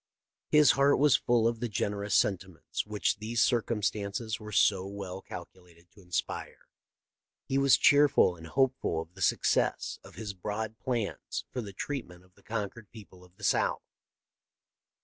His heart was full of the generous senti ments which these circumstances were so well cal THE LIFE OF LINCOLN. 563 culated to inspire. He was cheerful and hopeful of the success of his broad plans for the treatment of the conquered people of the South.